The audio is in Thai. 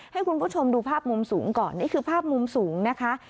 ให้คุณผู้ชมดูภาพมุมสูงก่อนนี่คือภาพมุมสูงนะคะ